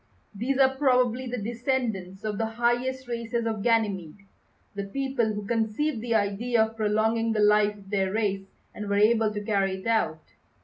These are probably the descendants of the highest races of Ganymede; the people who conceived the idea of prolonging the life of their race and were able to carry it out.